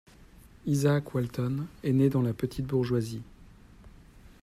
Izaac Walton est né dans la petite bourgeoisie.